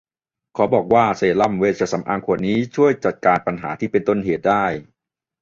ขอบอกว่าเซรั่มเวชสำอางขวดนี้ช่วยจัดการปัญหาที่ต้นเหตุได้